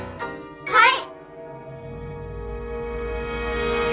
はい！